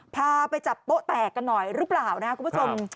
พาไปจับโป๊ะแตกกันหน่อยหรือเปล่านะครับคุณผู้ชม